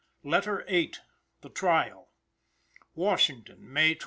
LETTER VIII. THE TRIAL. Washington, May 26.